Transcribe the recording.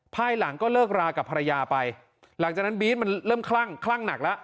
ภายหลังก็เลิกรากับภรรยาไปหลังจากนั้นบี๊ดมันเริ่มคลั่งคลั่งหนักแล้ว